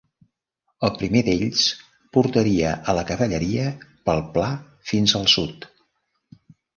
El primer d'ells portaria a la cavalleria pel pla fins al sud.